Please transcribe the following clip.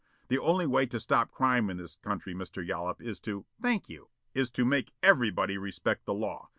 The only way to stop crime in this country, Mr. Yollop, is to " "Thank you." " is to make EVERYBODY respect the law.